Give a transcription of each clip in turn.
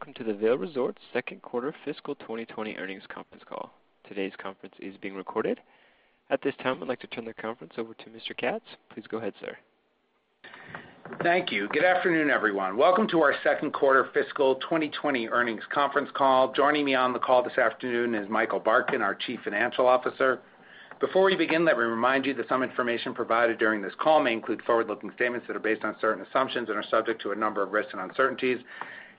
Welcome to the Vail Resorts Second Quarter fiscal 2020 earnings conference call. Today's conference is being recorded. At this time, I'd like to turn the conference over to Mr. Katz. Please go ahead, sir. Thank you. Good afternoon, everyone. Welcome to our second quarter fiscal 2020 earnings conference call. Joining me on the call this afternoon is Michael Barkin, our Chief Financial Officer. Before we begin, let me remind you that some information provided during this call may include forward-looking statements that are based on certain assumptions and are subject to a number of risks and uncertainties,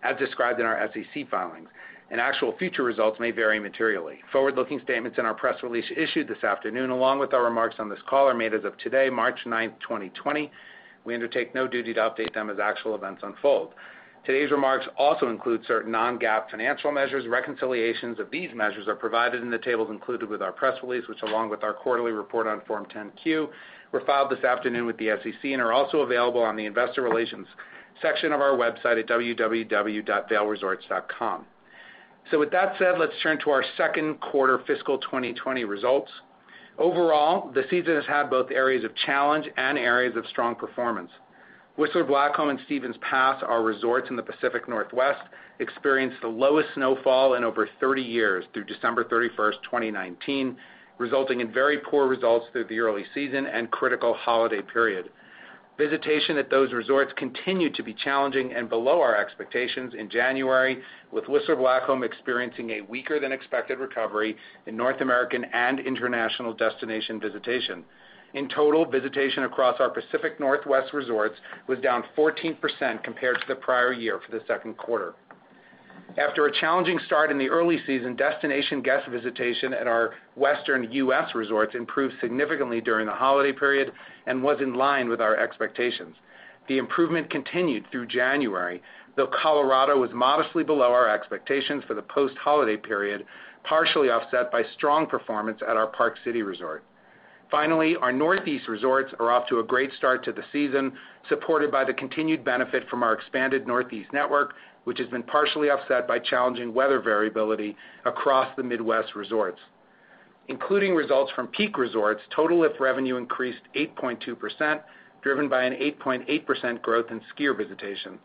as described in our SEC filings, and actual future results may vary materially. Forward-looking statements in our press release issued this afternoon, along with our remarks on this call, are made as of today, March 9th, 2020. We undertake no duty to update them as actual events unfold. Today's remarks also include certain non-GAAP financial measures. Reconciliations of these measures are provided in the tables included with our press release, which, along with our quarterly report on Form 10-Q, were filed this afternoon with the SEC and are also available on the Investor Relations section of our website at www.vailresorts.com. So, with that said, let's turn to our Second Quarter Fiscal 2020 results. Overall, the season has had both areas of challenge and areas of strong performance. Whistler Blackcomb and Stevens Pass, our resorts in the Pacific Northwest, experienced the lowest snowfall in over 30 years through December 31st, 2019, resulting in very poor results through the early season and critical holiday period. Visitation at those resorts continued to be challenging and below our expectations in January, with Whistler Blackcomb experiencing a weaker-than-expected recovery in North American and international destination visitation. In total, visitation across our Pacific Northwest resorts was down 14% compared to the prior year for the second quarter. After a challenging start in the early season, destination guest visitation at our Western U.S. resorts improved significantly during the holiday period and was in line with our expectations. The improvement continued through January, though Colorado was modestly below our expectations for the post-holiday period, partially offset by strong performance at our Park City resort. Finally, our Northeast resorts are off to a great start to the season, supported by the continued benefit from our expanded Northeast network, which has been partially offset by challenging weather variability across the Midwest resorts. Including results from Peak Resorts, total lift revenue increased 8.2%, driven by an 8.8% growth in skier visitation.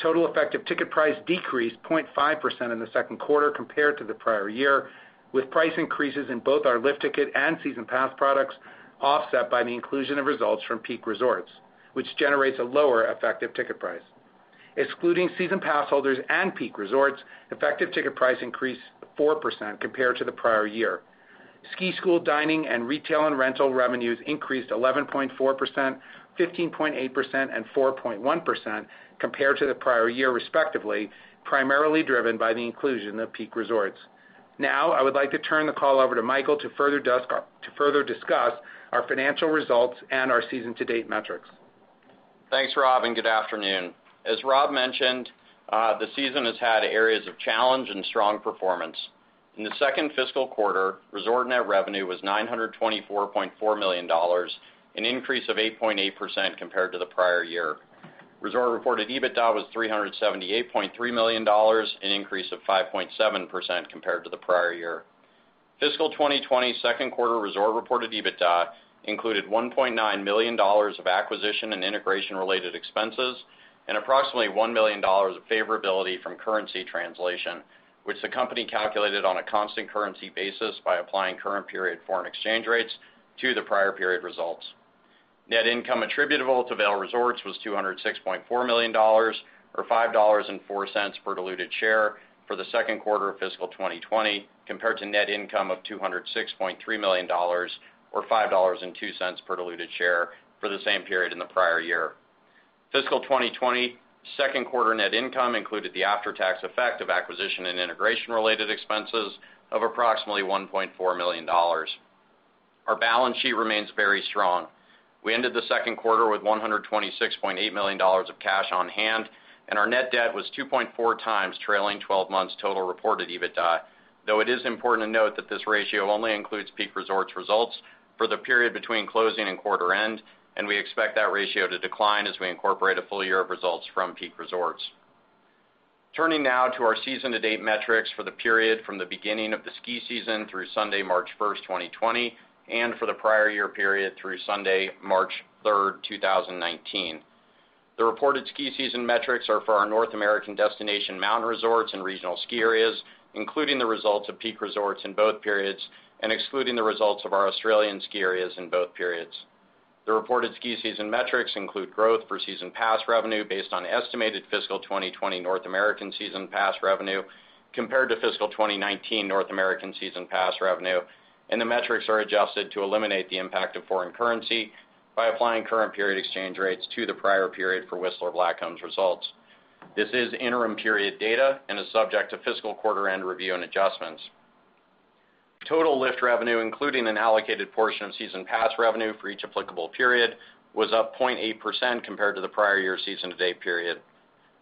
Total effective ticket price decreased 0.5% in the second quarter compared to the prior year, with price increases in both our lift ticket and season pass products offset by the inclusion of results from Peak Resorts, which generates a lower effective ticket price. Excluding season pass holders and Peak Resorts, effective ticket price increased 4% compared to the prior year. Ski school dining and retail and rental revenues increased 11.4%, 15.8%, and 4.1% compared to the prior year, respectively, primarily driven by the inclusion of Peak Resorts. Now, I would like to turn the call over to Michael to further discuss our financial results and our season-to-date metrics. Thanks, Rob, and good afternoon. As Rob mentioned, the season has had areas of challenge and strong performance. In the second fiscal quarter, resort net revenue was $924.4 million, an increase of 8.8% compared to the prior year. Resort reported EBITDA was $378.3 million, an increase of 5.7% compared to the prior year. Fiscal 2020 second quarter resort reported EBITDA included $1.9 million of acquisition and integration-related expenses and approximately $1 million of favorability from currency translation, which the company calculated on a constant currency basis by applying current period foreign exchange rates to the prior period results. Net income attributable to Vail Resorts was $206.4 million, or $5.04 per diluted share for the second quarter of fiscal 2020, compared to net income of $206.3 million, or $5.02 per diluted share for the same period in the prior year. Fiscal 2020 second quarter net income included the after-tax effect of acquisition and integration-related expenses of approximately $1.4 million. Our balance sheet remains very strong. We ended the second quarter with $126.8 million of cash on hand, and our net debt was 2.4 times trailing 12 months' total reported EBITDA, though it is important to note that this ratio only includes Peak Resorts results for the period between closing and quarter end, and we expect that ratio to decline as we incorporate a full year of results from Peak Resorts. Turning now to our season-to-date metrics for the period from the beginning of the ski season through Sunday, March 1st, 2020, and for the prior year period through Sunday, March 3rd, 2019. The reported ski season metrics are for our North American destination mountain resorts and regional ski areas, including the results of Peak Resorts in both periods and excluding the results of our Australian ski areas in both periods. The reported ski season metrics include growth for season pass revenue based on estimated Fiscal 2020 North American season pass revenue compared to Fiscal 2019 North American season pass revenue, and the metrics are adjusted to eliminate the impact of foreign currency by applying current period exchange rates to the prior period for Whistler Blackcomb's results. This is interim period data and is subject to fiscal quarter-end review and adjustments. Total lift revenue, including an allocated portion of season pass revenue for each applicable period, was up 0.8% compared to the prior year's season-to-date period.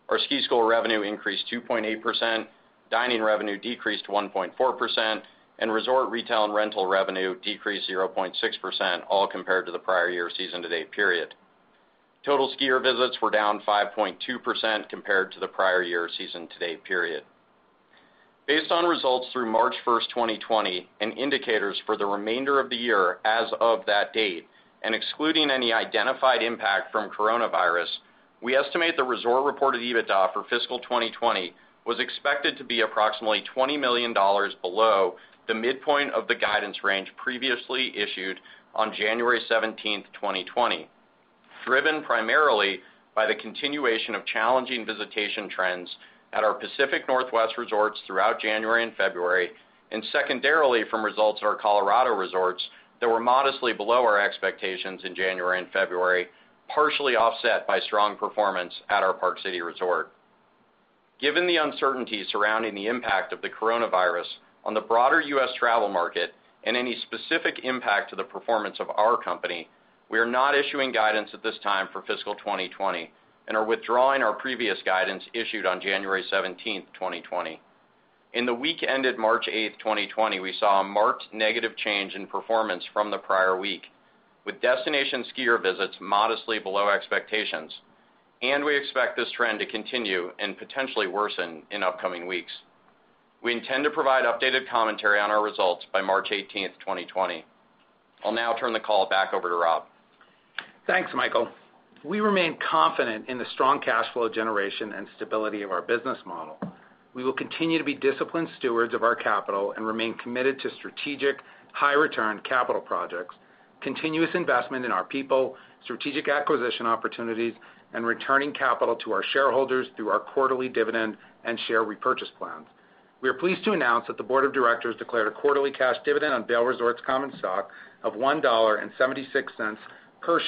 Our ski school revenue increased 2.8%, dining revenue decreased 1.4%, and resort retail and rental revenue decreased 0.6%, all compared to the prior year's season-to-date period. Total skier visits were down 5.2% compared to the prior year's season-to-date period. Based on results through March 1st, 2020, and indicators for the remainder of the year as of that date, and excluding any identified impact from coronavirus, we estimate the resort reported EBITDA for fiscal 2020 was expected to be approximately $20 million below the midpoint of the guidance range previously issued on January 17th, 2020, driven primarily by the continuation of challenging visitation trends at our Pacific Northwest resorts throughout January and February, and secondarily from results at our Colorado resorts that were modestly below our expectations in January and February, partially offset by strong performance at our Park City resort. Given the uncertainty surrounding the impact of the coronavirus on the broader U.S. travel market and any specific impact to the performance of our company, we are not issuing guidance at this time for fiscal 2020 and are withdrawing our previous guidance issued on January 17th, 2020. In the week ended March 8th, 2020, we saw a marked negative change in performance from the prior week, with destination skier visits modestly below expectations, and we expect this trend to continue and potentially worsen in upcoming weeks. We intend to provide updated commentary on our results by March 18th, 2020. I'll now turn the call back over to Rob. Thanks, Michael. We remain confident in the strong cash flow generation and stability of our business model. We will continue to be disciplined stewards of our capital and remain committed to strategic, high-return capital projects, continuous investment in our people, strategic acquisition opportunities, and returning capital to our shareholders through our quarterly dividend and share repurchase plans. We are pleased to announce that the Board of Directors declared a quarterly cash dividend on Vail Resorts Common Stock of $1.76 per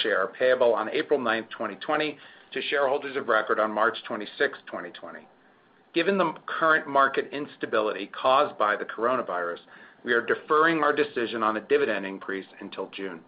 share payable on April 9th, 2020, to shareholders of record on March 26th, 2020. Given the current market instability caused by the coronavirus, we are deferring our decision on a dividend increase until June.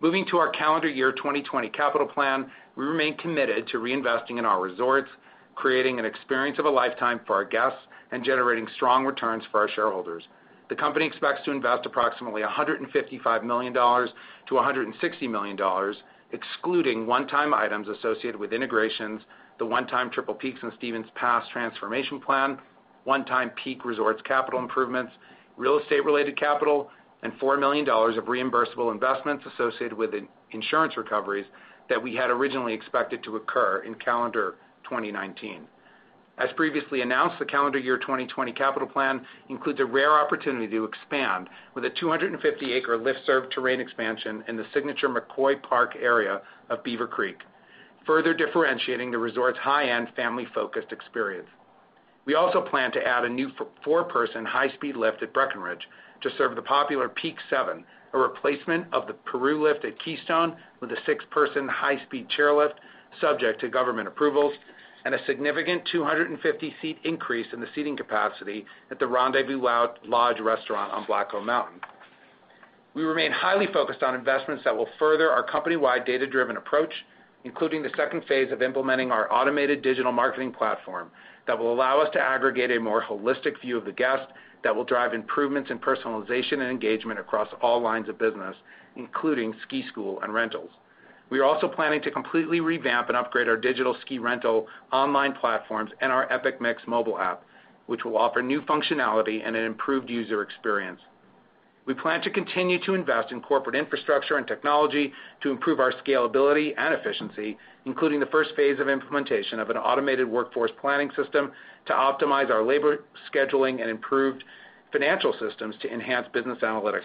Moving to our calendar year 2020 capital plan, we remain committed to reinvesting in our resorts, creating an experience of a lifetime for our guests, and generating strong returns for our shareholders. The company expects to invest approximately $155 million-$160 million, excluding one-time items associated with integrations, the one-time Triple Peaks and Stevens Pass transformation plan, one-time Peak Resorts capital improvements, real estate-related capital, and $4 million of reimbursable investments associated with insurance recoveries that we had originally expected to occur in calendar 2019. As previously announced, the calendar year 2020 capital plan includes a rare opportunity to expand with a 250-acre lift-served terrain expansion in the signature McCoy Park area of Beaver Creek, further differentiating the resort's high-end family-focused experience. We also plan to add a new four-person high-speed lift at Breckenridge to serve the popular Peak 7, a replacement of the Peru lift at Keystone with a six-person high-speed chairlift, subject to government approvals, and a significant 250-seat increase in the seating capacity at the Rendezvous Lodge restaurant on Blackcomb Mountain. We remain highly focused on investments that will further our company-wide data-driven approach, including the second phase of implementing our automated digital marketing platform that will allow us to aggregate a more holistic view of the guests that will drive improvements in personalization and engagement across all lines of business, including ski school and rentals. We are also planning to completely revamp and upgrade our digital ski rental online platforms and our EpicMix mobile app, which will offer new functionality and an improved user experience. We plan to continue to invest in corporate infrastructure and technology to improve our scalability and efficiency, including the first phase of implementation of an automated workforce planning system to optimize our labor scheduling and improved financial systems to enhance business analytics.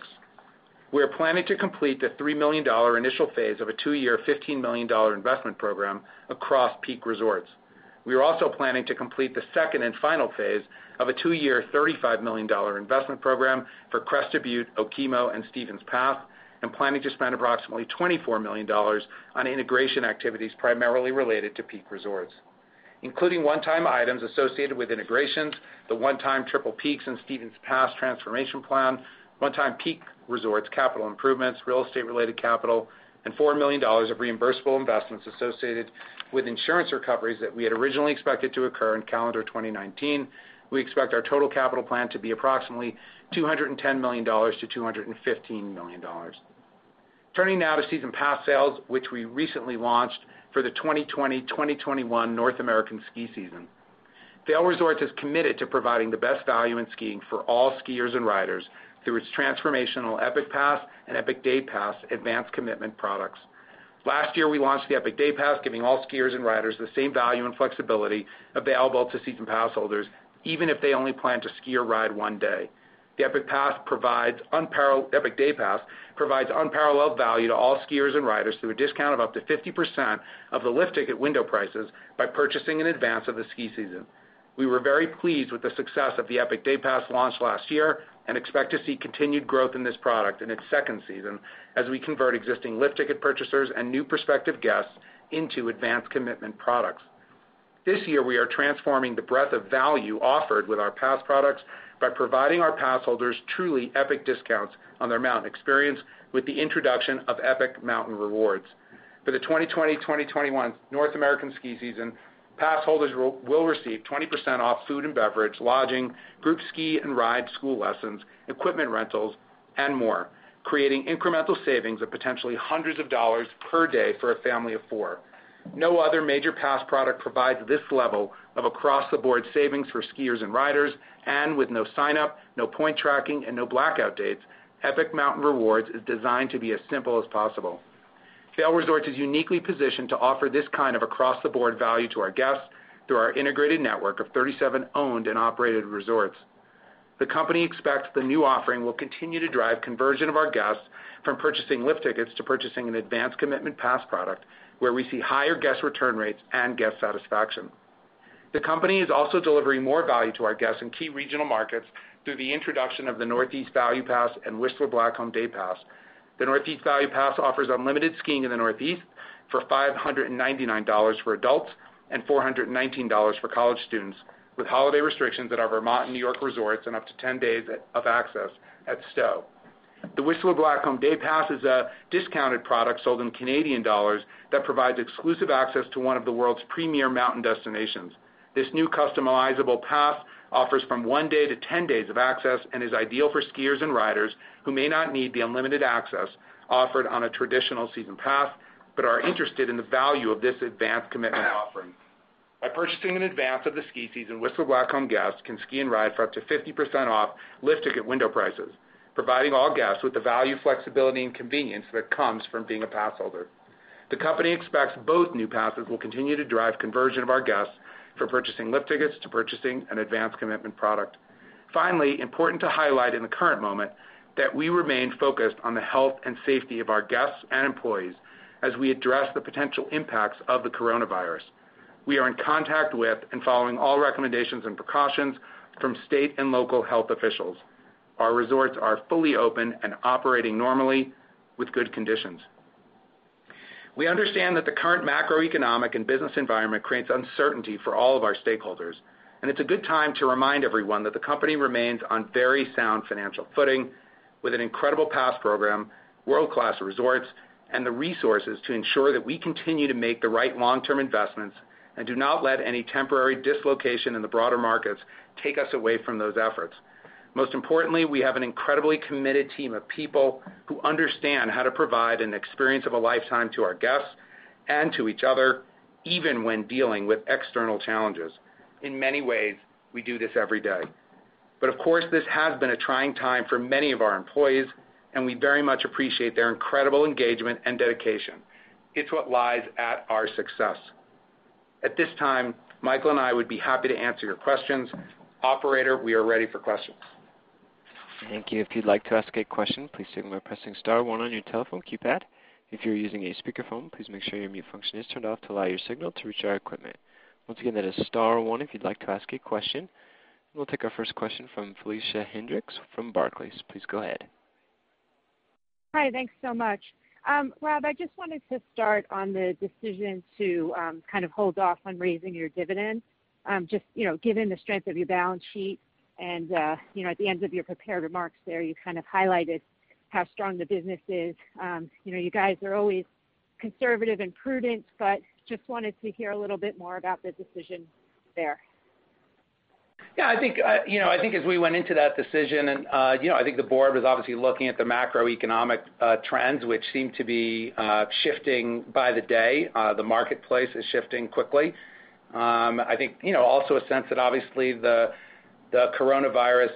We are planning to complete the $3 million initial phase of a two-year, $15 million investment program across Peak Resorts. We are also planning to complete the second and final phase of a two-year, $35 million investment program for Crested Butte, Okemo, and Stevens Pass, and planning to spend approximately $24 million on integration activities primarily related to Peak Resorts, including one-time items associated with integrations, the one-time Triple Peaks and Stevens Pass transformation plan, one-time Peak Resorts capital improvements, real estate-related capital, and $4 million of reimbursable investments associated with insurance recoveries that we had originally expected to occur in calendar 2019. We expect our total capital plan to be approximately $210 million-$215 million. Turning now to season pass sales, which we recently launched for the 2020-2021 North American ski season. Vail Resorts is committed to providing the best value in skiing for all skiers and riders through its transformational Epic Pass and Epic Day Pass advanced commitment products. Last year, we launched the Epic Day Pass, giving all skiers and riders the same value and flexibility available to season pass holders, even if they only plan to ski or ride one day. The Epic Day Pass provides unparalleled value to all skiers and riders through a discount of up to 50% of the lift ticket window prices by purchasing in advance of the ski season. We were very pleased with the success of the Epic Day Pass launch last year and expect to see continued growth in this product in its second season as we convert existing lift ticket purchasers and new prospective guests into advanced commitment products. This year, we are transforming the breadth of value offered with our pass products by providing our pass holders truly epic discounts on their mountain experience with the introduction of Epic Mountain Rewards. For the 2020-2021 North American ski season, pass holders will receive 20% off food and beverage, lodging, group ski and ride, school lessons, equipment rentals, and more, creating incremental savings of potentially hundreds of dollars per day for a family of four. No other major pass product provides this level of across-the-board savings for skiers and riders, and with no sign-up, no point tracking, and no blackout dates, Epic Mountain Rewards is designed to be as simple as possible. Vail Resorts is uniquely positioned to offer this kind of across-the-board value to our guests through our integrated network of 37 owned and operated resorts. The company expects the new offering will continue to drive conversion of our guests from purchasing lift tickets to purchasing an advanced commitment pass product, where we see higher guest return rates and guest satisfaction. The company is also delivering more value to our guests in key regional markets through the introduction of the Northeast Value Pass and Whistler Blackcomb Day Pass. The Northeast Value Pass offers unlimited skiing in the Northeast for $599 for adults and $419 for college students, with holiday restrictions at our Vermont and New York resorts and up to 10 days of access at Stowe. The Whistler Blackcomb Day Pass is a discounted product sold in Canadian dollars that provides exclusive access to one of the world's premier mountain destinations. This new customizable pass offers from one day to 10 days of access and is ideal for skiers and riders who may not need the unlimited access offered on a traditional season pass, but are interested in the value of this advanced commitment offering. By purchasing in advance of the ski season, Whistler Blackcomb guests can ski and ride for up to 50% off lift ticket window prices, providing all guests with the value, flexibility, and convenience that comes from being a pass holder. The company expects both new passes will continue to drive conversion of our guests from purchasing lift tickets to purchasing an advanced commitment product. Finally, important to highlight in the current moment that we remain focused on the health and safety of our guests and employees as we address the potential impacts of the coronavirus. We are in contact with and following all recommendations and precautions from state and local health officials. Our resorts are fully open and operating normally with good conditions. We understand that the current macroeconomic and business environment creates uncertainty for all of our stakeholders, and it's a good time to remind everyone that the company remains on very sound financial footing with an incredible pass program, world-class resorts, and the resources to ensure that we continue to make the right long-term investments and do not let any temporary dislocation in the broader markets take us away from those efforts. Most importantly, we have an incredibly committed team of people who understand how to provide an experience of a lifetime to our guests and to each other, even when dealing with external challenges. In many ways, we do this every day. But of course, this has been a trying time for many of our employees, and we very much appreciate their incredible engagement and dedication. It's what lies at our success. At this time, Michael and I would be happy to answer your questions. Operator, we are ready for questions. Thank you. If you'd like to ask a question, please take a moment by pressing Star one on your telephone keypad. If you're using a speakerphone, please make sure your mute function is turned off to allow your signal to reach our equipment. Once again, that is Star one if you'd like to ask a question. We'll take our first question from Felicia Hendrix from Barclays. So please go ahead. Hi. Thanks so much. Rob, I just wanted to start on the decision to kind of hold off on raising your dividend, just given the strength of your balance sheet. And at the end of your prepared remarks there, you kind of highlighted how strong the business is. You guys are always conservative and prudent, but just wanted to hear a little bit more about the decision there. Yeah. I think as we went into that decision, and I think the board was obviously looking at the macroeconomic trends, which seem to be shifting by the day. The marketplace is shifting quickly. I think also a sense that obviously the coronavirus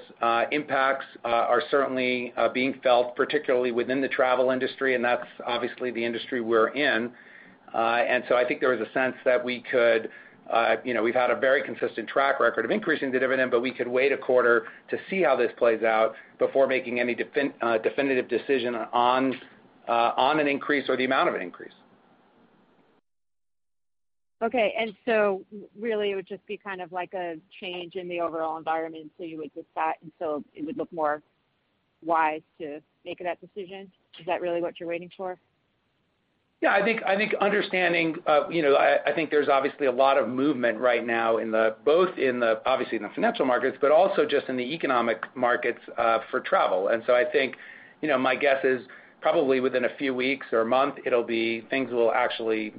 impacts are certainly being felt, particularly within the travel industry, and that's obviously the industry we're in. And so I think there was a sense that we could. We've had a very consistent track record of increasing the dividend, but we could wait a quarter to see how this plays out before making any definitive decision on an increase or the amount of an increase. Okay, and so really, it would just be kind of like a change in the overall environment, so you would just stop until it would look more wise to make that decision? Is that really what you're waiting for? Yeah. I think, understanding, I think there's obviously a lot of movement right now, both obviously in the financial markets, but also just in the economic markets for travel. And so I think my guess is probably within a few weeks or a month, things will actually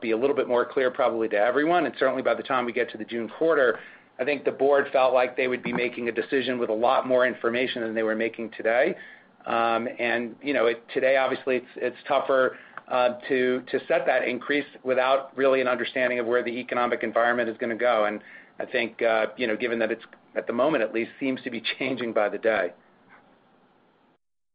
be a little bit more clear probably to everyone. And certainly, by the time we get to the June quarter, I think the board felt like they would be making a decision with a lot more information than they were making today. And today, obviously, it's tougher to set that increase without really an understanding of where the economic environment is going to go. And I think given that it's, at the moment at least, seems to be changing by the day.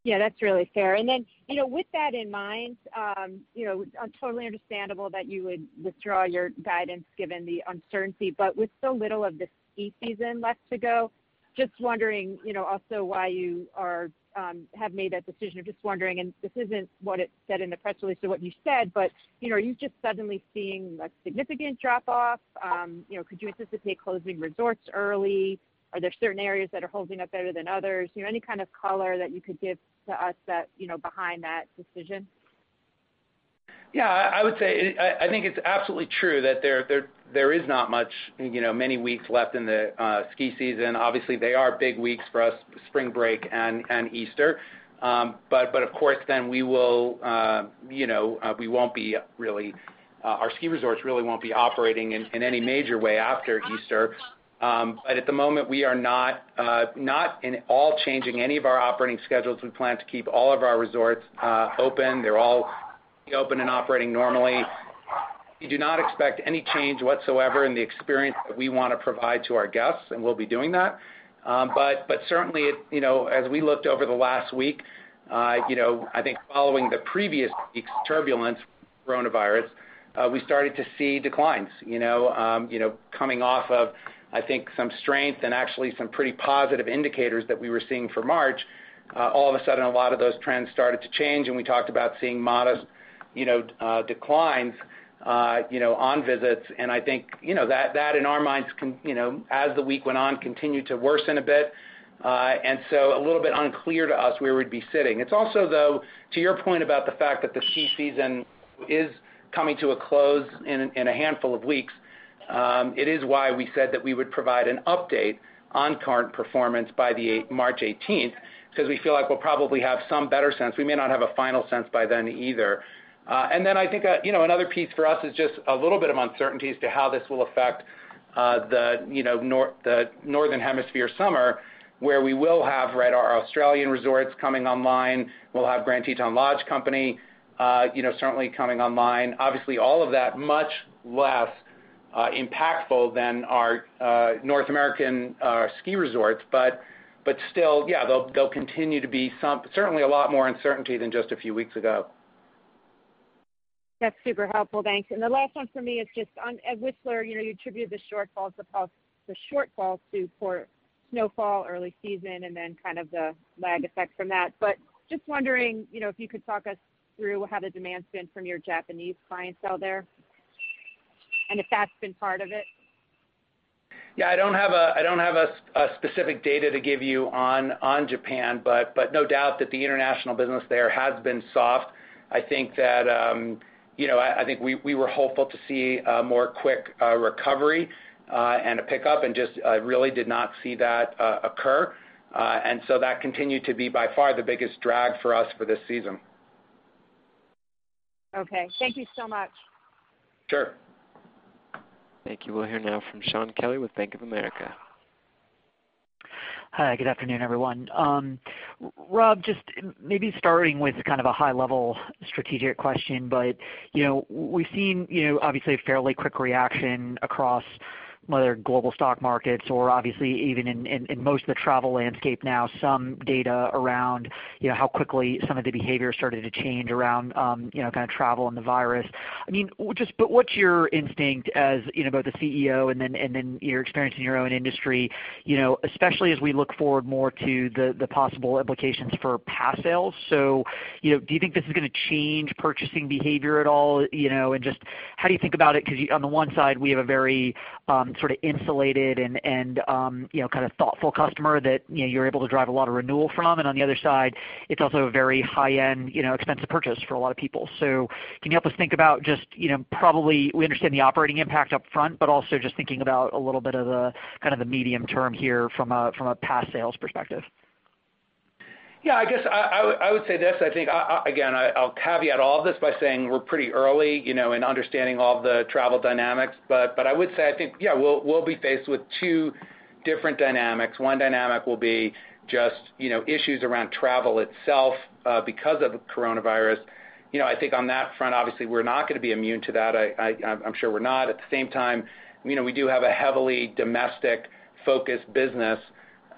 Yeah. That's really fair. And then with that in mind, it's totally understandable that you would withdraw your guidance given the uncertainty. But with so little of the ski season left to go, just wondering also why you have made that decision. I'm just wondering, and this isn't what it said in the press release or what you said, but are you just suddenly seeing a significant drop-off? Could you anticipate closing resorts early? Are there certain areas that are holding up better than others? Any kind of color that you could give to us behind that decision? Yeah. I would say I think it's absolutely true that there is not many weeks left in the ski season. Obviously, they are big weeks for us, spring break and Easter. But of course, then we won't be really. Our ski resorts really won't be operating in any major way after Easter. But at the moment, we are not at all changing any of our operating schedules. We plan to keep all of our resorts open. They're all open and operating normally. We do not expect any change whatsoever in the experience that we want to provide to our guests, and we'll be doing that. But certainly, as we looked over the last week, I think following the previous week's turbulence with coronavirus, we started to see declines. Coming off of, I think, some strength and actually some pretty positive indicators that we were seeing for March, all of a sudden, a lot of those trends started to change, and we talked about seeing modest declines on visits, and I think that, in our minds, as the week went on, continued to worsen a bit, and so a little bit unclear to us where we'd be sitting. It's also, though, to your point about the fact that the ski season is coming to a close in a handful of weeks, it is why we said that we would provide an update on current performance by March 18th because we feel like we'll probably have some better sense. We may not have a final sense by then either. And then I think another piece for us is just a little bit of uncertainty as to how this will affect the Northern Hemisphere summer, where we will have our Australian resorts coming online. We'll have Grand Teton Lodge Company certainly coming online. Obviously, all of that much less impactful than our North American ski resorts. But still, yeah, there'll continue to be certainly a lot more uncertainty than just a few weeks ago. That's super helpful. Thanks. And the last one for me is just at Whistler, you attribute the shortfalls of the snowfall, early season, and then kind of the lag effect from that. But just wondering if you could talk us through how the demand's been from your Japanese clientele there and if that's been part of it. Yeah. I don't have a specific data to give you on Japan, but no doubt that the international business there has been soft. I think that we were hopeful to see a more quick recovery and a pickup, and just really did not see that occur. And so that continued to be by far the biggest drag for us for this season. Okay. Thank you so much. Sure. Thank you. We'll hear now from Shaun Kelley with Bank of America. Hi. Good afternoon, everyone. Rob, just maybe starting with kind of a high-level strategic question, but we've seen obviously a fairly quick reaction across other global stock markets or obviously even in most of the travel landscape now, some data around how quickly some of the behavior started to change around kind of travel and the virus. I mean, but what's your instinct as both the CEO and then your experience in your own industry, especially as we look forward more to the possible implications for pass sales? So do you think this is going to change purchasing behavior at all? And just how do you think about it? Because on the one side, we have a very sort of insulated and kind of thoughtful customer that you're able to drive a lot of renewal from. On the other side, it's also a very high-end expensive purchase for a lot of people. Can you help us think about just probably we understand the operating impact upfront, but also just thinking about a little bit of kind of the medium term here from a pass sales perspective? Yeah. I guess I would say this. I think, again, I'll caveat all of this by saying we're pretty early in understanding all of the travel dynamics. But I would say, I think, yeah, we'll be faced with two different dynamics. One dynamic will be just issues around travel itself because of the coronavirus. I think on that front, obviously, we're not going to be immune to that. I'm sure we're not. At the same time, we do have a heavily domestic-focused business.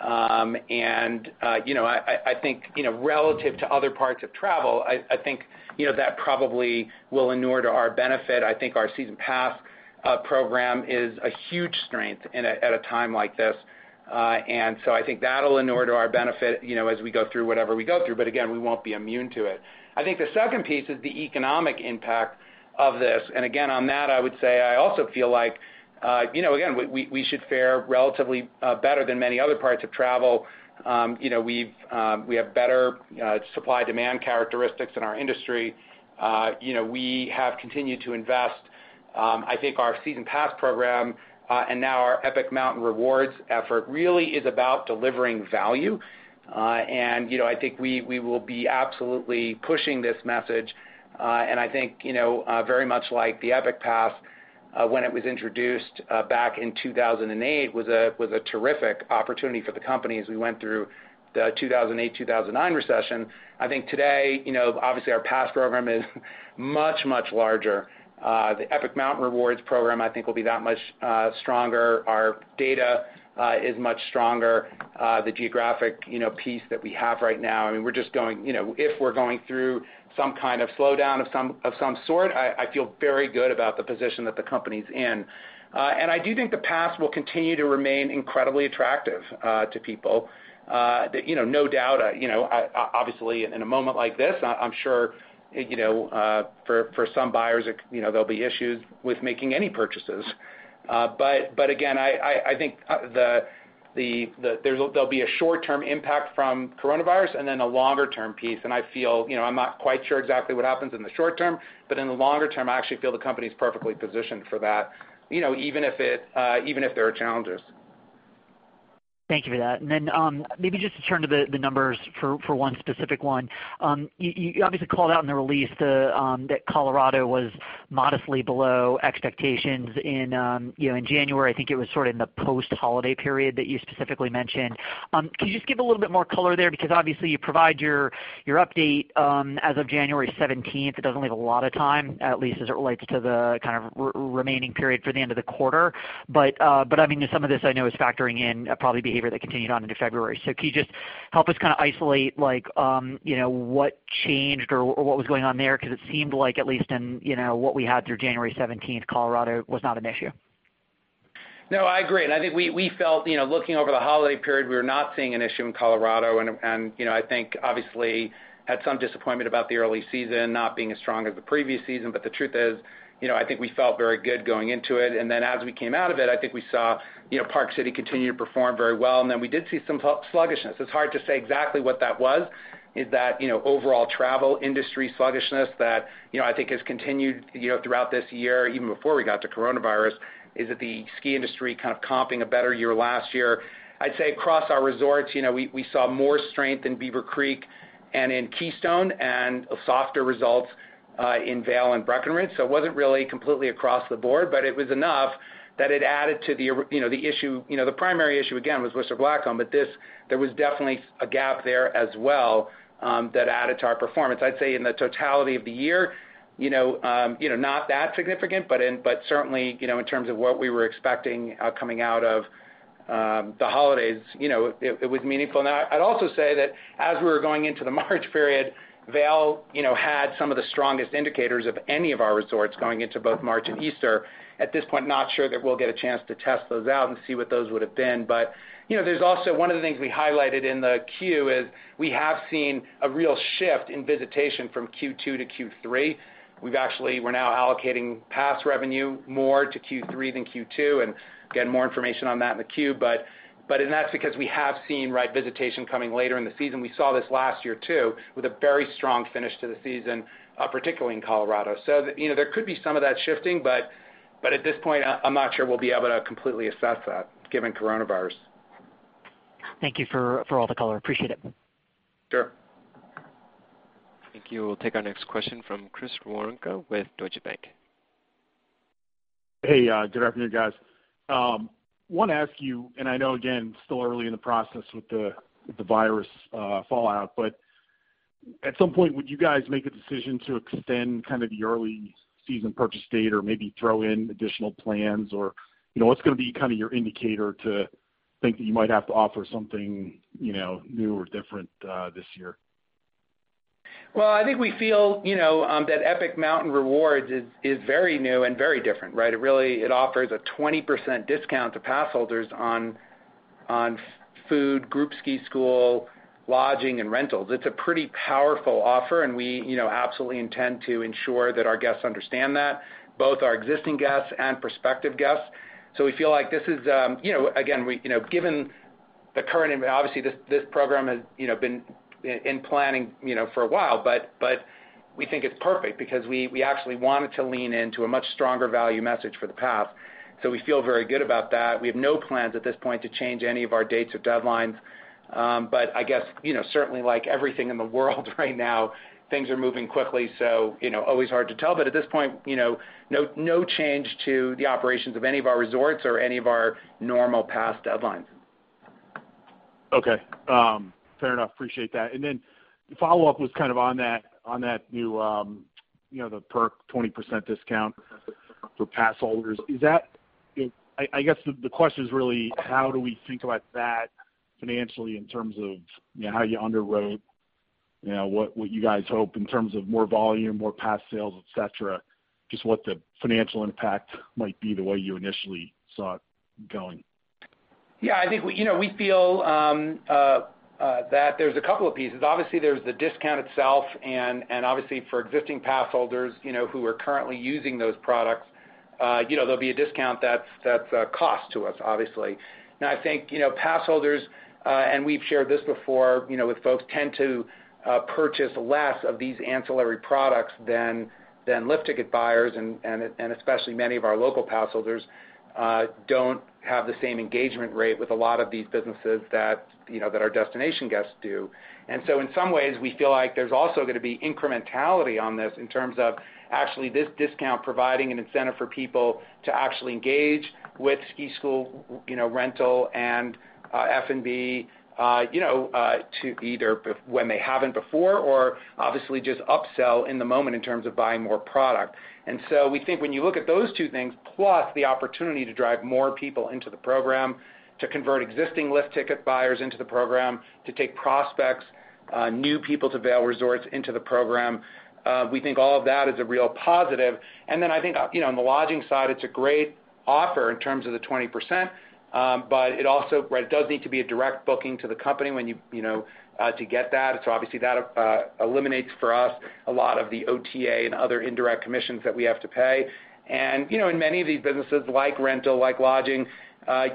And I think relative to other parts of travel, I think that probably will inure to our benefit. I think our season pass program is a huge strength at a time like this. And so I think that'll inure to our benefit as we go through whatever we go through. But again, we won't be immune to it. I think the second piece is the economic impact of this. And again, on that, I would say I also feel like, again, we should fare relatively better than many other parts of travel. We have better supply-demand characteristics in our industry. We have continued to invest. I think our season pass program and now our Epic Mountain Rewards effort really is about delivering value. And I think we will be absolutely pushing this message. And I think very much like the Epic Pass, when it was introduced back in 2008, was a terrific opportunity for the company as we went through the 2008, 2009 recession. I think today, obviously, our pass program is much, much larger. The Epic Mountain Rewards program, I think, will be that much stronger. Our data is much stronger. The geographic piece that we have right now, I mean, we're just going if we're going through some kind of slowdown of some sort. I feel very good about the position that the company's in. And I do think the pass will continue to remain incredibly attractive to people. No doubt, obviously, in a moment like this, I'm sure for some buyers, there'll be issues with making any purchases. But again, I think there'll be a short-term impact from coronavirus and then a longer-term piece. And I feel I'm not quite sure exactly what happens in the short term, but in the longer term, I actually feel the company's perfectly positioned for that, even if there are challenges. Thank you for that and then maybe just to turn to the numbers for one specific one. You obviously called out in the release that Colorado was modestly below expectations in January. I think it was sort of in the post-holiday period that you specifically mentioned. Can you just give a little bit more color there? Because obviously, you provide your update as of January 17th. It doesn't leave a lot of time, at least as it relates to the kind of remaining period for the end of the quarter but I mean, some of this I know is factoring in probably behavior that continued on into February so can you just help us kind of isolate what changed or what was going on there? Because it seemed like, at least in what we had through January 17th, Colorado was not an issue. No, I agree, and I think we felt, looking over the holiday period, we were not seeing an issue in Colorado. And I think, obviously we had some disappointment about the early season not being as strong as the previous season. But the truth is, I think we felt very good going into it, and then as we came out of it, I think we saw Park City continue to perform very well. And then we did see some sluggishness. It's hard to say exactly what that was. Is that overall travel industry sluggishness that I think has continued throughout this year, even before we got to coronavirus? Is that the ski industry kind of comping a better year last year? I'd say across our resorts, we saw more strength in Beaver Creek and in Keystone and softer results in Vail and Breckenridge. So it wasn't really completely across the board, but it was enough that it added to the issue. The primary issue, again, was Whistler Blackcomb, but there was definitely a gap there as well that added to our performance. I'd say in the totality of the year, not that significant, but certainly in terms of what we were expecting coming out of the holidays, it was meaningful. Now, I'd also say that as we were going into the March period, Vail had some of the strongest indicators of any of our resorts going into both March and Easter. At this point, not sure that we'll get a chance to test those out and see what those would have been. But there's also one of the things we highlighted in the Q is we have seen a real shift in visitation from Q2 to Q3. We're now allocating pass revenue more to Q3 than Q2, and again, more information on that in the Q, but that's because we have seen visitation coming later in the season. We saw this last year too with a very strong finish to the season, particularly in Colorado, so there could be some of that shifting, but at this point, I'm not sure we'll be able to completely assess that given coronavirus. Thank you for all the color. Appreciate it. Sure. Thank you. We'll take our next question from Chris Woronka with Deutsche Bank. Hey, good afternoon, guys. I want to ask you, and I know, again, still early in the process with the virus fallout, but at some point, would you guys make a decision to extend kind of the early season purchase date or maybe throw in additional plans? Or what's going to be kind of your indicator to think that you might have to offer something new or different this year? I think we feel that Epic Mountain Rewards is very new and very different, right? It offers a 20% discount to pass holders on food, group ski school, lodging, and rentals. It's a pretty powerful offer, and we absolutely intend to ensure that our guests understand that, both our existing guests and prospective guests. So we feel like this is, again, given the current, obviously, this program has been in planning for a while, but we think it's perfect because we actually wanted to lean into a much stronger value message for the pass. So we feel very good about that. We have no plans at this point to change any of our dates or deadlines. But I guess, certainly, like everything in the world right now, things are moving quickly, so always hard to tell. But at this point, no change to the operations of any of our resorts or any of our normal pass deadlines. Okay. Fair enough. Appreciate that. And then follow-up was kind of on that new, the perk 20% discount for pass holders. I guess the question is really, how do we think about that financially in terms of how you underwrote what you guys hope in terms of more volume, more pass sales, et cetera, just what the financial impact might be the way you initially saw it going? Yeah. I think we feel that there's a couple of pieces. Obviously, there's the discount itself, and obviously, for existing pass holders who are currently using those products, there'll be a discount that's a cost to us, obviously, and I think pass holders, and we've shared this before with folks, tend to purchase less of these ancillary products than lift ticket buyers, especially many of our local pass holders don't have the same engagement rate with a lot of these businesses that our destination guests do. And so in some ways, we feel like there's also going to be incrementality on this in terms of actually this discount providing an incentive for people to actually engage with ski school, rental, and F&B to either when they haven't before or obviously just upsell in the moment in terms of buying more product. And so we think when you look at those two things, plus the opportunity to drive more people into the program, to convert existing lift ticket buyers into the program, to take prospects, new people to Vail Resorts into the program, we think all of that is a real positive. And then I think on the lodging side, it's a great offer in terms of the 20%, but it also does need to be a direct booking to the company to get that. So obviously, that eliminates for us a lot of the OTA and other indirect commissions that we have to pay. And in many of these businesses, like rental, like lodging,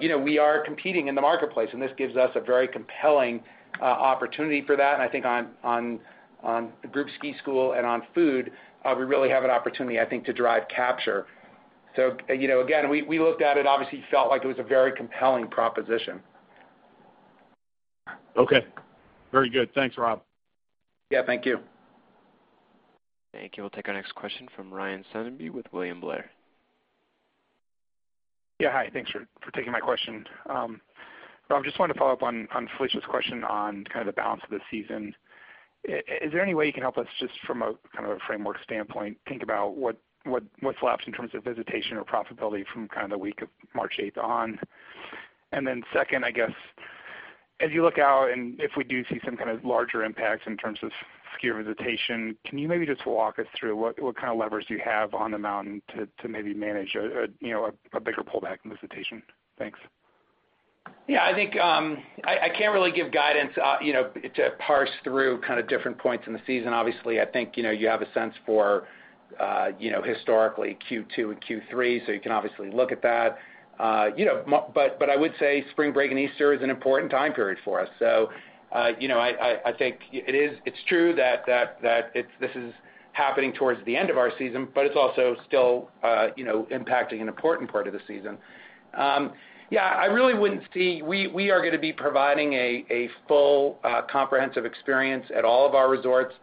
we are competing in the marketplace, and this gives us a very compelling opportunity for that. And I think on group ski school and on food, we really have an opportunity, I think, to drive capture. So again, we looked at it, obviously felt like it was a very compelling proposition. Okay. Very good. Thanks, Rob. Yeah. Thank you. Thank you. We'll take our next question from Ryan Sundby with William Blair. Yeah. Hi. Thanks for taking my question. Rob, just wanted to follow up on Felicia's question on kind of the balance of the season. Is there any way you can help us just from a kind of a framework standpoint think about what's left in terms of visitation or profitability from kind of the week of March 8th on? And then second, I guess, as you look out and if we do see some kind of larger impacts in terms of skier visitation, can you maybe just walk us through what kind of levers you have on the mountain to maybe manage a bigger pullback in visitation? Thanks. Yeah. I think I can't really give guidance to parse through kind of different points in the season. Obviously, I think you have a sense for historically Q2 and Q3, so you can obviously look at that. But I would say spring break and Easter is an important time period for us. So I think it's true that this is happening towards the end of our season, but it's also still impacting an important part of the season. Yeah. I really wouldn't see we are going to be providing a full comprehensive experience at all of our resorts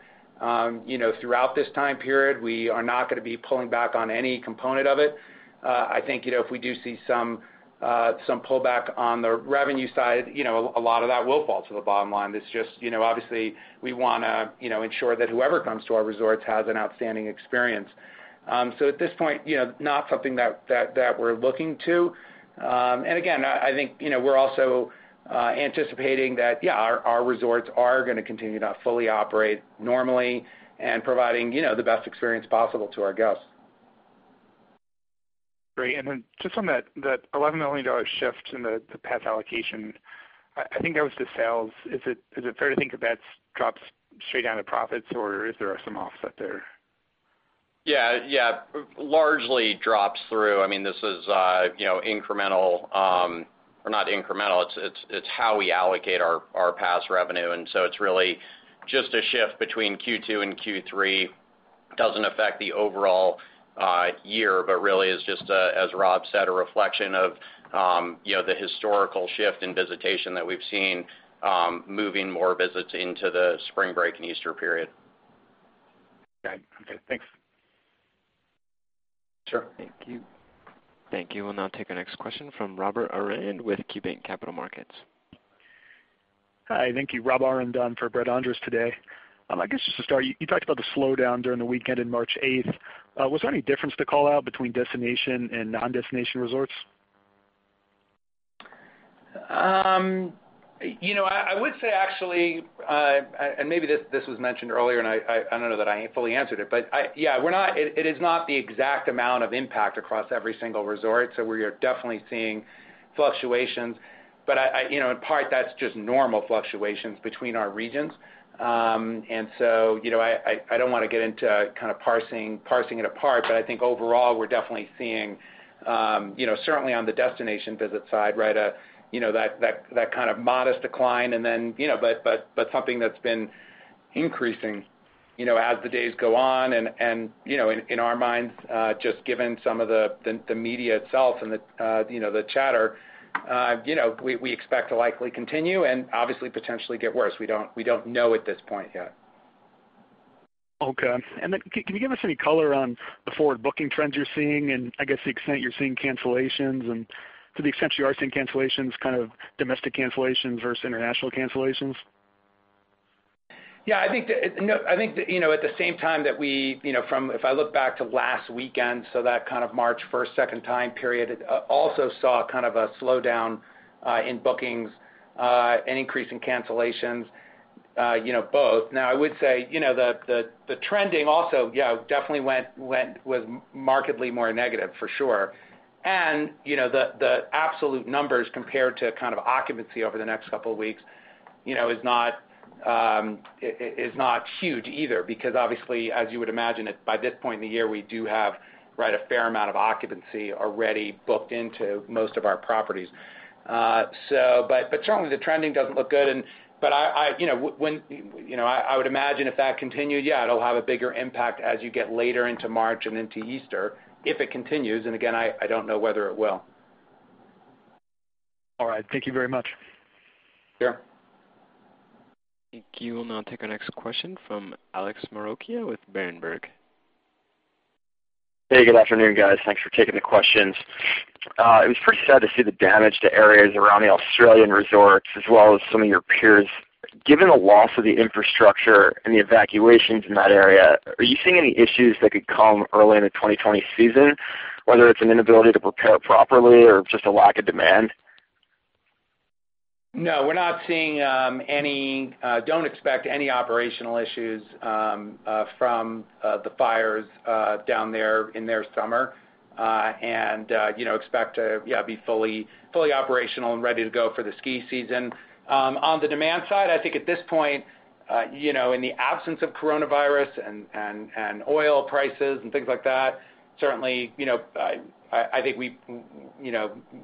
throughout this time period. We are not going to be pulling back on any component of it. I think if we do see some pullback on the revenue side, a lot of that will fall to the bottom line. It's just obviously we want to ensure that whoever comes to our resorts has an outstanding experience, so at this point, not something that we're looking to, and again, I think we're also anticipating that, yeah, our resorts are going to continue to fully operate normally and providing the best experience possible to our guests. Great. And then just on that $11 million shift in the pass allocation, I think that was to sales. Is it fair to think that that drops straight down to profits, or is there some offset there? Yeah. Yeah. Largely drops through. I mean, this is incremental or not incremental. It's how we allocate our pass revenue. And so it's really just a shift between Q2 and Q3. It doesn't affect the overall year, but really is just, as Rob said, a reflection of the historical shift in visitation that we've seen moving more visits into the spring break and Easter period. Okay. Okay. Thanks. Sure. Thank you. Thank you. We'll now take our next question from Rob Arendt with KeyBanc Capital Markets. Hi. Thank you, Rob Arendt for Brett Andress today. I guess just to start, you talked about the slowdown during the weekend in March 8th. Was there any difference to call out between destination and non-destination resorts? I would say actually, and maybe this was mentioned earlier, and I don't know that I fully answered it, but yeah, it is not the exact amount of impact across every single resort, so we are definitely seeing fluctuations, but in part, that's just normal fluctuations between our regions, and so I don't want to get into kind of parsing it apart, but I think overall, we're definitely seeing, certainly on the destination visit side, right, that kind of modest decline, but something that's been increasing as the days go on, and in our minds, just given some of the media itself and the chatter, we expect to likely continue and obviously potentially get worse. We don't know at this point yet. Okay. And then can you give us any color on the forward booking trends you're seeing and I guess the extent you're seeing cancellations and to the extent you are seeing cancellations, kind of domestic cancellations versus international cancellations? Yeah. I think at the same time that we, if I look back to last weekend, so that kind of March 1st, 2nd time period, also saw kind of a slowdown in bookings and increase in cancellations, both. Now, I would say the trending also, yeah, definitely was markedly more negative, for sure, and the absolute numbers compared to kind of occupancy over the next couple of weeks is not huge either. Because obviously, as you would imagine, by this point in the year, we do have a fair amount of occupancy already booked into most of our properties, but certainly, the trending doesn't look good. But I would imagine if that continued, yeah, it'll have a bigger impact as you get later into March and into Easter if it continues, and again, I don't know whether it will. All right. Thank you very much. Sure. Thank you. We'll now take our next question from Alex Maroccia with Berenberg. Hey, good afternoon, guys. Thanks for taking the questions. It was pretty sad to see the damage to areas around the Australian resorts as well as some of your peers. Given the loss of the infrastructure and the evacuations in that area, are you seeing any issues that could come early in the 2020 season, whether it's an inability to prepare properly or just a lack of demand? No, we're not seeing any. Don't expect any operational issues from the fires down there in their summer and expect to, yeah, be fully operational and ready to go for the ski season. On the demand side, I think at this point, in the absence of coronavirus and oil prices and things like that, certainly, I think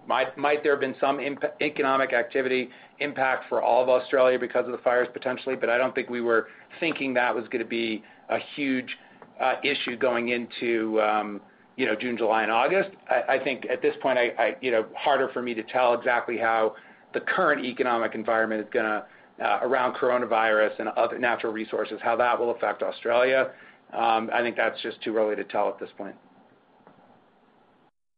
might there have been some economic activity impact for all of Australia because of the fires potentially but I don't think we were thinking that was going to be a huge issue going into June, July, and August. I think at this point, harder for me to tell exactly how the current economic environment is going to, around coronavirus and other natural resources, how that will affect Australia. I think that's just too early to tell at this point.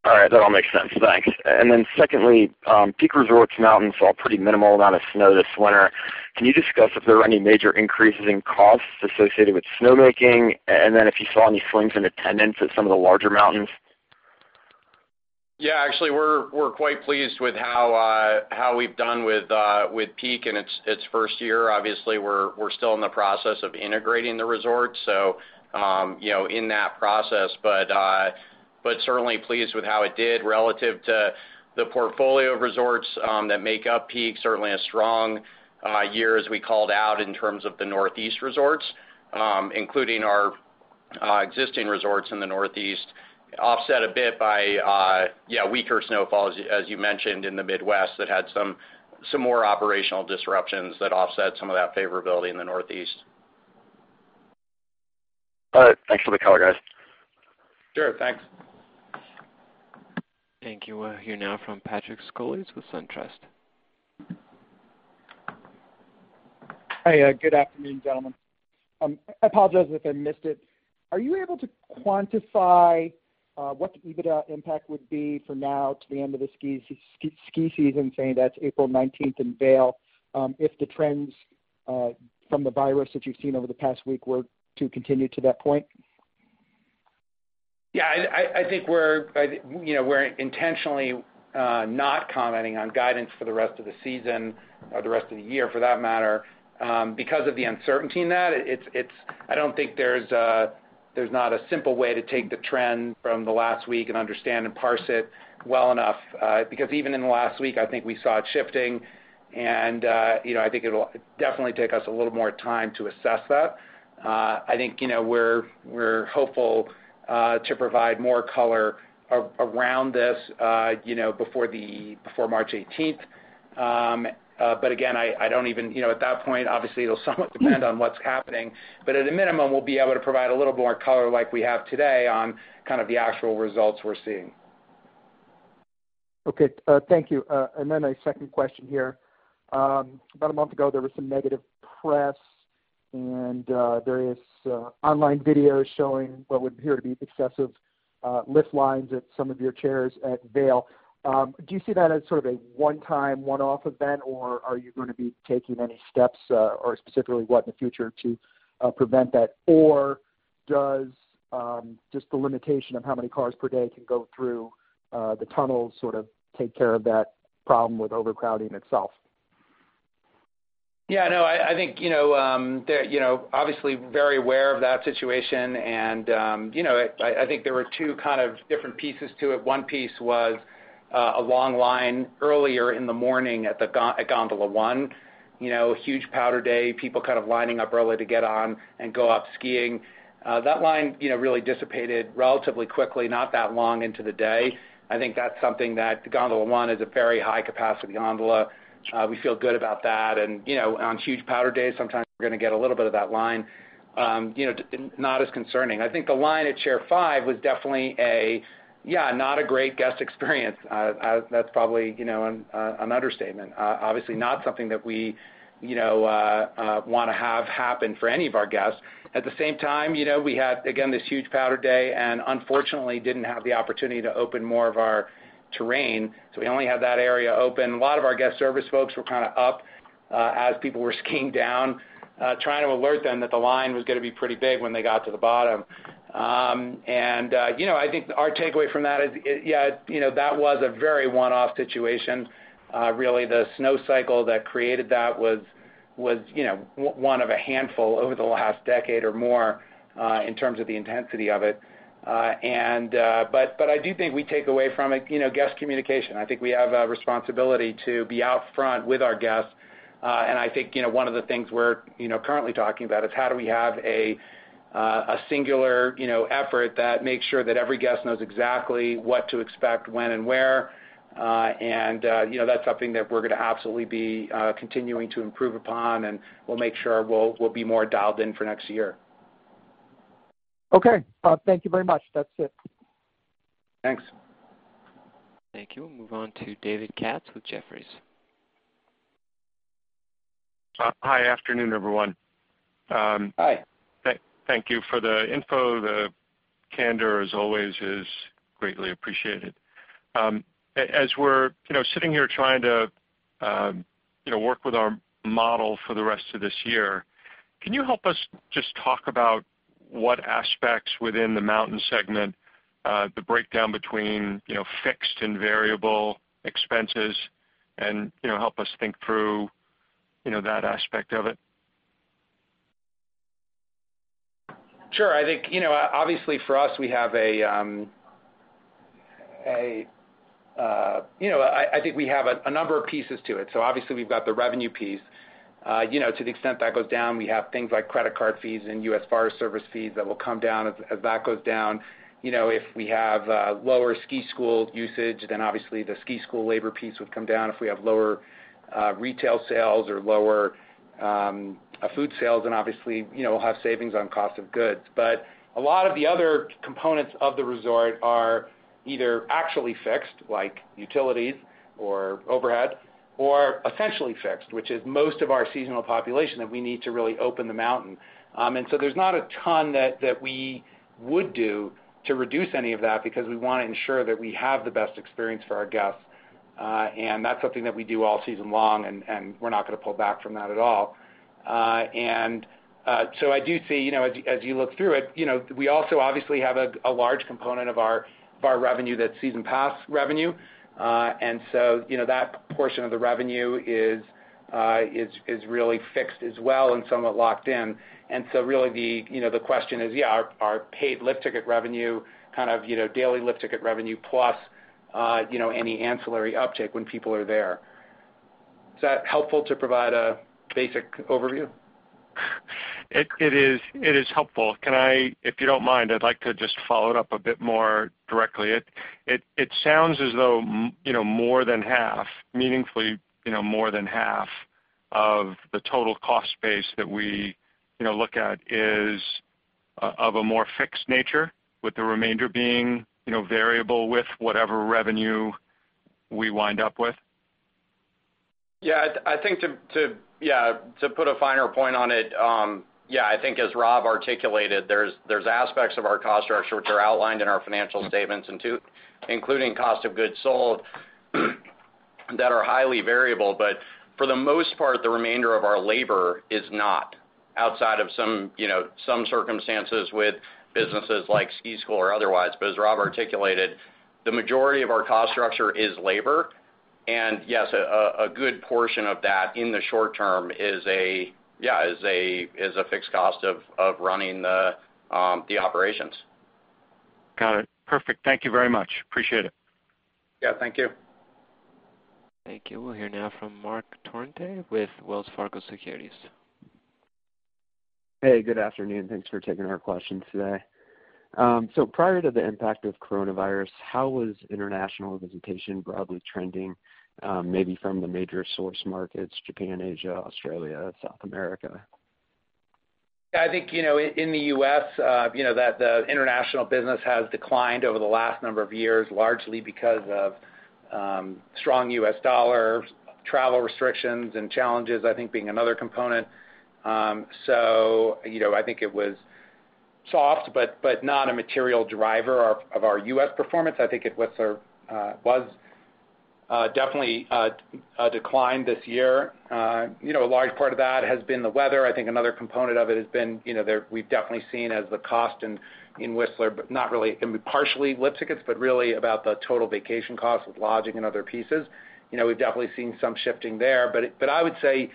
All right. That all makes sense. Thanks. And then secondly, Peak Resorts mountains saw a pretty minimal amount of snow this winter. Can you discuss if there are any major increases in costs associated with snowmaking? And then if you saw any swings in attendance at some of the larger mountains? Yeah. Actually, we're quite pleased with how we've done with Peak in its first year. Obviously, we're still in the process of integrating the resorts, so in that process. But certainly pleased with how it did relative to the portfolio of resorts that make up Peak. Certainly a strong year as we called out in terms of the Northeast resorts, including our existing resorts in the Northeast, offset a bit by, yeah, weaker snowfalls, as you mentioned, in the Midwest that had some more operational disruptions that offset some of that favorability in the Northeast. All right. Thanks for the call, guys. Sure. Thanks. Thank you. We'll hear now from Patrick Scholes with SunTrust. Hi. Good afternoon, gentlemen. I apologize if I missed it. Are you able to quantify what the EBITDA impact would be for now to the end of the ski season, say that's April 19th in Vail, if the trends from the virus that you've seen over the past week were to continue to that point? Yeah. I think we're intentionally not commenting on guidance for the rest of the season or the rest of the year for that matter. Because of the uncertainty in that, I don't think there's not a simple way to take the trend from the last week and understand and parse it well enough. Because even in the last week, I think we saw it shifting. And I think it'll definitely take us a little more time to assess that. I think we're hopeful to provide more color around this before March 18th. But again, I don't even, at that point, obviously, it'll somewhat depend on what's happening. But at a minimum, we'll be able to provide a little more color like we have today on kind of the actual results we're seeing. Okay. Thank you. And then a second question here. About a month ago, there was some negative press and various online videos showing what would appear to be excessive lift lines at some of your chairs at Vail. Do you see that as sort of a one-time, one-off event, or are you going to be taking any steps or specifically what in the future to prevent that? Or does just the limitation of how many cars per day can go through the tunnels sort of take care of that problem with overcrowding itself? Yeah. No, I think they're obviously very aware of that situation. And I think there were two kind of different pieces to it. One piece was a long line earlier in the morning at Gondola One. Huge powder day, people kind of lining up early to get on and go up skiing. That line really dissipated relatively quickly, not that long into the day. I think that's something that the Gondola One is a very high-capacity gondola. We feel good about that. And on huge powder days, sometimes we're going to get a little bit of that line. Not as concerning. I think the line at Chair 5 was definitely a, yeah, not a great guest experience. That's probably an understatement. Obviously, not something that we want to have happen for any of our guests. At the same time, we had, again, this huge powder day and unfortunately didn't have the opportunity to open more of our terrain. So we only had that area open. A lot of our guest service folks were kind of up as people were skiing down, trying to alert them that the line was going to be pretty big when they got to the bottom, and I think our takeaway from that is, yeah, that was a very one-off situation. Really, the snow cycle that created that was one of a handful over the last decade or more in terms of the intensity of it, but I do think we take away from it guest communication. I think we have a responsibility to be out front with our guests. I think one of the things we're currently talking about is how do we have a singular effort that makes sure that every guest knows exactly what to expect, when, and where. That's something that we're going to absolutely be continuing to improve upon. We'll make sure we'll be more dialed in for next year. Okay. Thank you very much. That's it. Thanks. Thank you. We'll move on to David Katz with Jefferies. Hi. Afternoon, everyone. Hi. Thank you for the info. The candor, as always, is greatly appreciated. As we're sitting here trying to work with our model for the rest of this year, can you help us just talk about what aspects within the mountain segment, the breakdown between fixed and variable expenses, and help us think through that aspect of it? Sure. I think obviously for us, I think we have a number of pieces to it. So obviously, we've got the revenue piece. To the extent that goes down, we have things like credit card fees and U.S. Forest Service fees that will come down as that goes down. If we have lower ski school usage, then obviously the ski school labor piece would come down. If we have lower retail sales or lower food sales, then obviously we'll have savings on cost of goods. But a lot of the other components of the resort are either actually fixed, like utilities or overhead, or essentially fixed, which is most of our seasonal population that we need to really open the mountain. And so there's not a ton that we would do to reduce any of that because we want to ensure that we have the best experience for our guests. And that's something that we do all season long, and we're not going to pull back from that at all. And so I do see, as you look through it, we also obviously have a large component of our revenue that's season pass revenue. And so that portion of the revenue is really fixed as well and somewhat locked in. And so really the question is, yeah, our paid lift ticket revenue, kind of daily lift ticket revenue plus any ancillary uptake when people are there. Is that helpful to provide a basic overview? It is. It is helpful. If you don't mind, I'd like to just follow it up a bit more directly. It sounds as though more than half, meaningfully more than half of the total cost base that we look at is of a more fixed nature, with the remainder being variable with whatever revenue we wind up with. Yeah. I think, yeah, to put a finer point on it, yeah, I think as Rob articulated, there's aspects of our cost structure which are outlined in our financial statements, including cost of goods sold, that are highly variable. But for the most part, the remainder of our labor is not outside of some circumstances with businesses like ski school or otherwise. But as Rob articulated, the majority of our cost structure is labor. And yes, a good portion of that in the short term is a fixed cost of running the operations. Got it. Perfect. Thank you very much. Appreciate it. Yeah. Thank you. Thank you. We'll hear now from Marc Torrente with Wells Fargo Securities. Hey, good afternoon. Thanks for taking our questions today. So prior to the impact of coronavirus, how was international visitation broadly trending, maybe from the major source markets, Japan, Asia, Australia, South America? Yeah. I think in the U.S., the international business has declined over the last number of years, largely because of strong U.S. dollar, travel restrictions, and challenges, I think, being another component. So I think it was soft, but not a material driver of our U.S. performance. I think it was definitely a decline this year. A large part of that has been the weather. I think another component of it has been that we've definitely seen the cost in Whistler, but not really partially lift tickets, but really about the total vacation cost with lodging and other pieces. We've definitely seen some shifting there. But I would say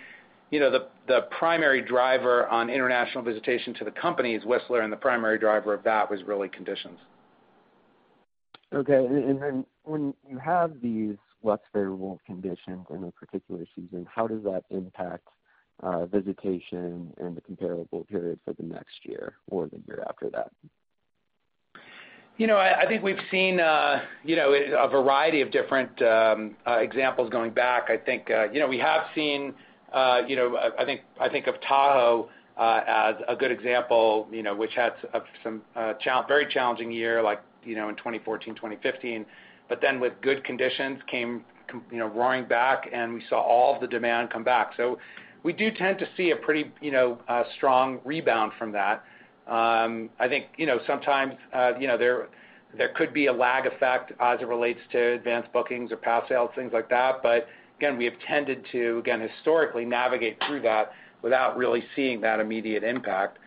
the primary driver on international visitation to the company's Whistler, and the primary driver of that was really conditions. Okay. And then when you have these less favorable conditions in a particular season, how does that impact visitation and the comparable period for the next year or the year after that? I think we've seen a variety of different examples going back. I think we have seen. I think of Tahoe as a good example, which had some very challenging year like in 2014, 2015. But then with good conditions came roaring back, and we saw all of the demand come back. So we do tend to see a pretty strong rebound from that. I think sometimes there could be a lag effect as it relates to advanced bookings or pass sales, things like that. But again, we have tended to, again, historically navigate through that without really seeing that immediate impact.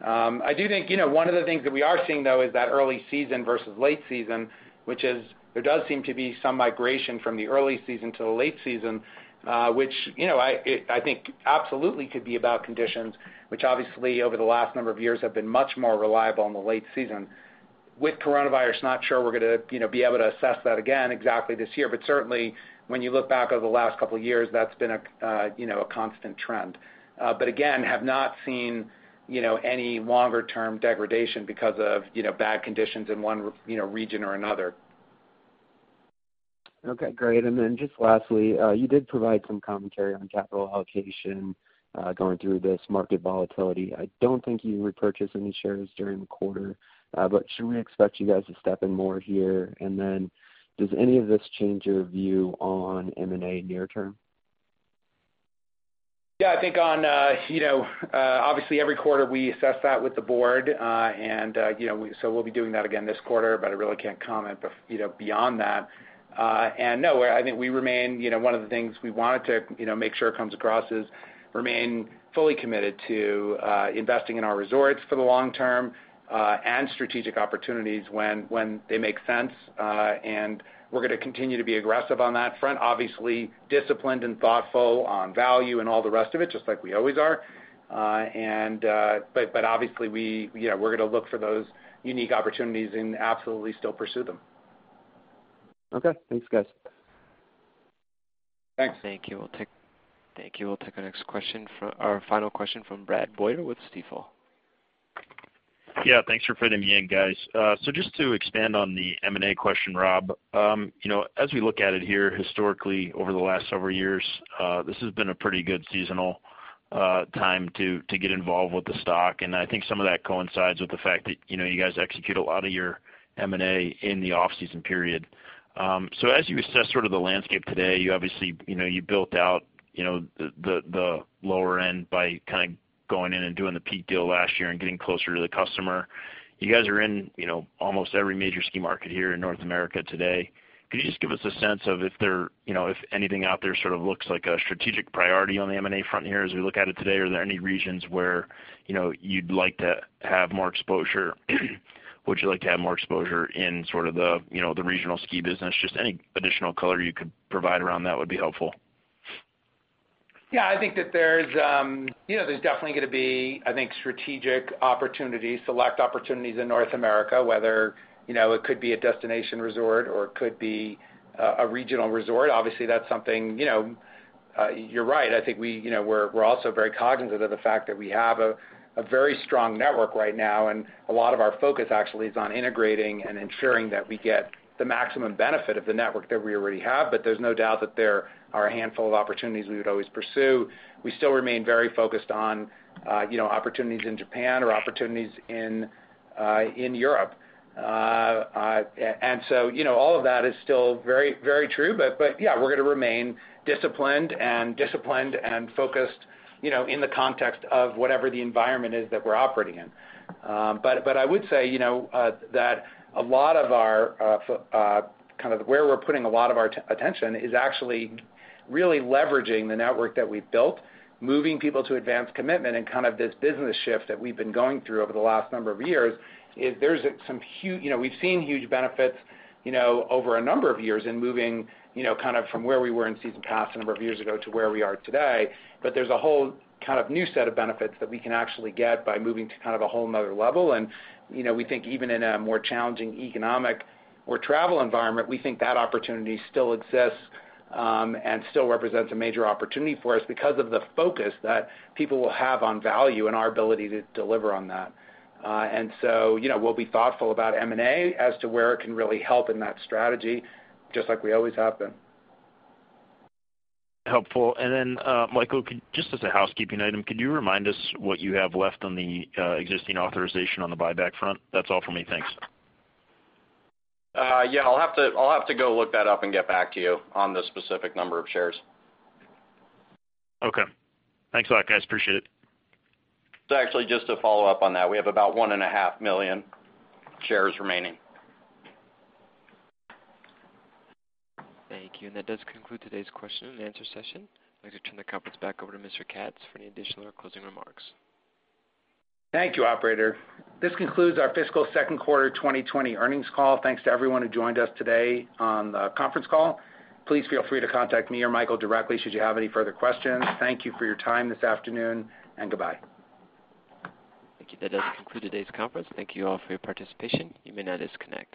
I do think one of the things that we are seeing, though, is that early season versus late season, which is there does seem to be some migration from the early season to the late season, which I think absolutely could be about conditions, which obviously over the last number of years have been much more reliable in the late season. With coronavirus, not sure we're going to be able to assess that again exactly this year. But certainly, when you look back over the last couple of years, that's been a constant trend. But again, have not seen any longer-term degradation because of bad conditions in one region or another. Okay. Great. And then just lastly, you did provide some commentary on capital allocation going through this market volatility. I don't think you repurchased any shares during the quarter, but should we expect you guys to step in more here? And then does any of this change your view on M&A near term? Yeah. I think on obviously every quarter, we assess that with the board. And so we'll be doing that again this quarter, but I really can't comment beyond that. And no, I think we remain, one of the things we wanted to make sure it comes across is remain fully committed to investing in our resorts for the long term and strategic opportunities when they make sense. And we're going to continue to be aggressive on that front, obviously disciplined and thoughtful on value and all the rest of it, just like we always are. But obviously, we're going to look for those unique opportunities and absolutely still pursue them. Okay. Thanks, guys. Thanks. Thank you. We'll take our next question, our final question from Brad Boyer with Stifel. Yeah. Thanks for fitting me in, guys. So just to expand on the M&A question, Rob, as we look at it here historically over the last several years, this has been a pretty good seasonal time to get involved with the stock. And I think some of that coincides with the fact that you guys execute a lot of your M&A in the off-season period. So as you assess sort of the landscape today, you obviously built out the lower end by kind of going in and doing the Peak deal last year and getting closer to the customer. You guys are in almost every major ski market here in North America today. Could you just give us a sense of if anything out there sort of looks like a strategic priority on the M&A front here as we look at it today? Are there any regions where you'd like to have more exposure? Would you like to have more exposure in sort of the regional ski business? Just any additional color you could provide around that would be helpful. Yeah. I think that there's definitely going to be, I think, strategic opportunities, select opportunities in North America, whether it could be a destination resort or it could be a regional resort. Obviously, that's something you're right. I think we're also very cognizant of the fact that we have a very strong network right now. And a lot of our focus actually is on integrating and ensuring that we get the maximum benefit of the network that we already have. But there's no doubt that there are a handful of opportunities we would always pursue. We still remain very focused on opportunities in Japan or opportunities in Europe. And so all of that is still very true. But yeah, we're going to remain disciplined and focused in the context of whatever the environment is that we're operating in. But I would say that a lot of our kind of where we're putting a lot of our attention is actually really leveraging the network that we've built, moving people to advanced commitment. And kind of this business shift that we've been going through over the last number of years is we've seen huge benefits over a number of years in moving kind of from where we were in season pass a number of years ago to where we are today. But there's a whole kind of new set of benefits that we can actually get by moving to kind of a whole nother level. And we think even in a more challenging economic or travel environment, we think that opportunity still exists and still represents a major opportunity for us because of the focus that people will have on value and our ability to deliver on that. And so we'll be thoughtful about M&A as to where it can really help in that strategy, just like we always have been. Helpful. And then, Michael, just as a housekeeping item, could you remind us what you have left on the existing authorization on the buyback front? That's all for me. Thanks. Yeah. I'll have to go look that up and get back to you on the specific number of shares. Okay. Thanks a lot, guys. Appreciate it. Actually, just to follow up on that, we have about 1.5 million shares remaining. Thank you. And that does conclude today's question and answer session. I'd like to turn the conference back over to Mr. Katz for any additional or closing remarks. Thank you, operator. This concludes our fiscal second quarter 2020 earnings call. Thanks to everyone who joined us today on the conference call. Please feel free to contact me or Michael directly should you have any further questions. Thank you for your time this afternoon, and goodbye. Thank you. That does conclude today's conference. Thank you all for your participation. You may now disconnect.